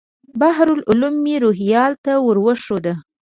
بحر العلوم مې روهیال ته ور وښود.